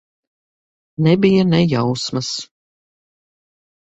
Nebija ne jausmas.